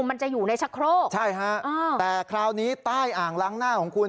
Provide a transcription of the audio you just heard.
มันจะอยู่ในชะโครกใช่ฮะอ่าแต่คราวนี้ใต้อ่างล้างหน้าของคุณ